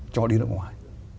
cho đi nước ngoài